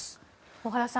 小原さん